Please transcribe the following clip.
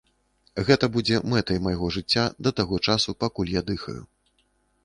Гэта будзе мэтай майго жыцця да таго часу, пакуль я дыхаю.